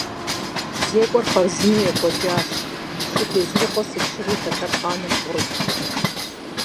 Зекӏуэр хъарзынэу екӏуэкӏащ, пщы Безрыкъуэ сыт щыгъуи тэтэр хъаным бгъурыту.